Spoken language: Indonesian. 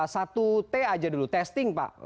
satu t aja dulu testing pak